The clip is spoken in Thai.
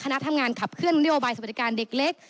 คณะทำงานขับเคลื่อนนโยบายสวัสดิการเด็กเล็ก